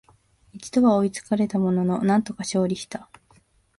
一度は追いつかれたものの、なんとか勝利した